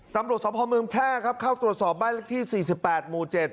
ตำรวจสมภาพเมืองแพร่ครับเข้าตรวจสอบบ้านเลขที่๔๘หมู่๗